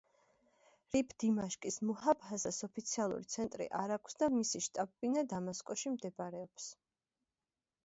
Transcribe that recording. რიფ-დიმაშკის მუჰაფაზას ოფიციალური ცენტრი არ აქვს და მისი შტაბ-ბინა დამასკოში მდებარეობს.